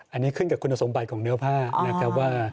อันนี้ขึ้นกับคุณสมบัติของเนื้อผ้านะครับว่า